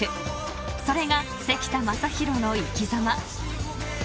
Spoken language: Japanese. ［それが関田誠大の生きざま］